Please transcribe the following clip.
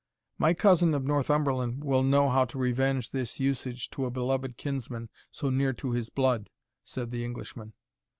"My cousin of Northumberland will know how to revenge this usage to a beloved kinsman so near to his blood," said the Englishman.